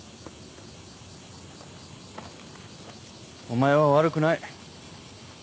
お前は悪くない。